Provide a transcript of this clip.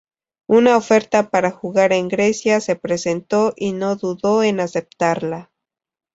Una oferta para jugar en Grecia se presentó y no dudo en aceptarla.